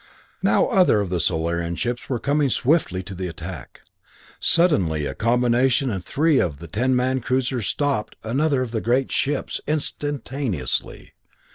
Now other of the Solarian ships were coming swiftly to the attack. Suddenly a combination of three of the ten man cruisers stopped another of the great ships instantaneously.